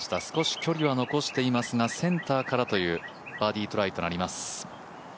少し距離は残していますがセンターからというバーディートライとなります。